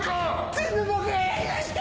全部僕がやりました！